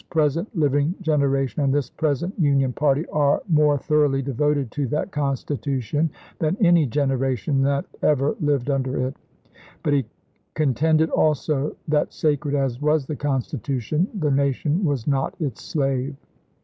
present living generation and this present Union party are more thoroughly devoted to that Consti tution than any generation that ever lived under June 7, 1864. it; but he contended also that sacred as was the Constitution the nation was not its slave.